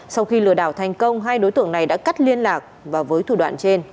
sau khi lừa đảo thành công hai đối tượng này đã cắt liên lạc và với thủ đoạn trên